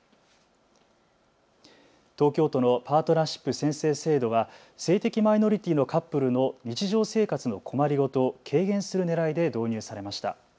東京都のパートナーシップ宣誓制度は性的マイノリティーのカップルの日常生活の困り事を軽減するねらいで導入されました。